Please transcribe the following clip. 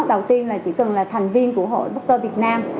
đầu tiên là chỉ cần là thành viên của hội bocer việt nam